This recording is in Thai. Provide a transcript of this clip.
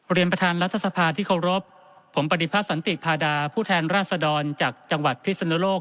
เรียนประธานรัฐสภาที่เคารพผมปฏิพัฒน์สันติพาดาผู้แทนราชดรจากจังหวัดพิศนุโลก